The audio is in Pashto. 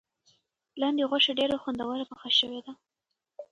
لاندي غوښه ډېره خوندوره پخه شوې ده.